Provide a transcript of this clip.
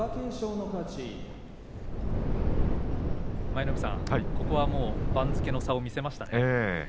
舞の海さん、ここは番付の差を見せましたね。